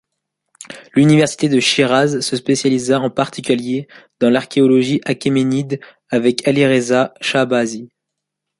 L'Université de Chiraz se spécialisa en particulier dans l'archéologie achéménide avec Alireza Shahbazi.